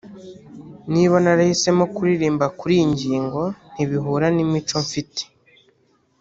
niba narahisemo kuririmba kuri iyi ngingo ntibihura n’imico mfite